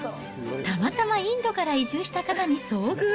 たまたまインドから移住した方に遭遇。